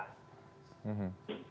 tunggu anak anak kita terpapar baru berhenti